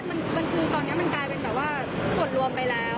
ใช่ค่ะมันมันคือตอนนี้มันกลายเป็นแบบว่าทุกส่วนรวมไปแล้วเออ